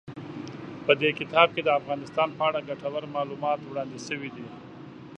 په دې کتاب کې د افغانستان په اړه ګټور معلومات وړاندې شوي دي.